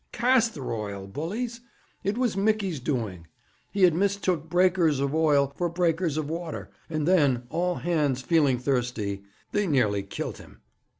Casther oil, bullies! It was Micky's doing. He had mustook breakers of oil for breakers of water, and then, all hands feeling thirsty, they nearly kilt him.'